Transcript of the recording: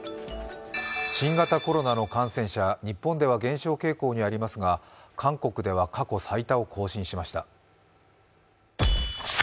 新型コロナの感染者、日本では減少傾向にありますが韓国では過去最多を更新しました。